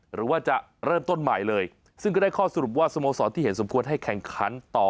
หรือว่าจะเริ่มต้นใหม่เลยซึ่งก็ได้ข้อสรุปว่าสโมสรที่เห็นสมควรให้แข่งขันต่อ